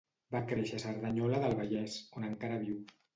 Va créixer a Cerdanyola del Vallès, on encara viu.